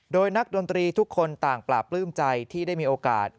โดยนักดนตรีทุกคนต่างปราบปลื้มใจที่ได้มีโอกาส